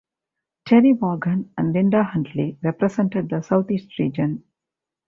Terry Vaughan and Linda Huntley represented the Southeast region.